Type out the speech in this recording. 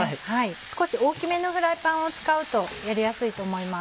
少し大きめのフライパンを使うとやりやすいと思います。